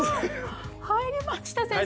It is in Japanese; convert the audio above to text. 入りました先生！